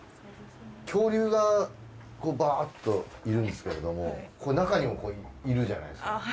恐竜がバーッといるんですけれども中にもいるじゃないですか。